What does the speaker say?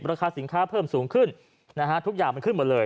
ราคาสินค้าเพิ่มสูงขึ้นนะฮะทุกอย่างมันขึ้นหมดเลย